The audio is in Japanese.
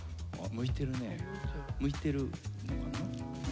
むいてるのかな？